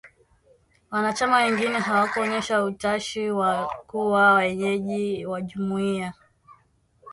Wanachama wengine hawakuonyesha utashi wa kuwa wenyeji wa Jumuiya.